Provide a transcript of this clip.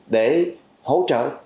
để hỗ trợ